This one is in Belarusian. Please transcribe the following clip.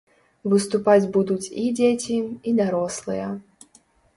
Выступаць будуць і дзеці, і дарослыя.